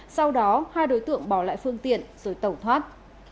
sau đó hai đối tượng bỏ lại phương tiện rồi tẩu thoát